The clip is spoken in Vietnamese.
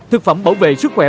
thực phẩm bảo vệ sức khỏe